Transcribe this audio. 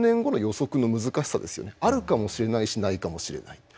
やはりあるかもしれないしないかもしれない。